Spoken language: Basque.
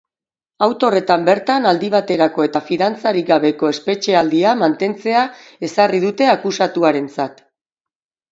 Auto horretan bertan aldi baterako eta fidantzarik gabeko espetxealdia mantentzea ezarri dute akusatuarentzat.